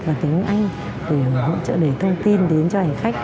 và tiếng anh để trợ đề thông tin đến cho hành khách